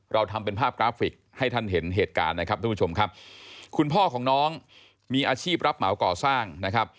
เราทำเป็นภาพกราฟิกให้ท่านเห็นเหตุการณ์นะครับทุกผู้ชมครับคุณพ่อของน้องมีอาชีพรับเหมาก่อสร้างนะครับ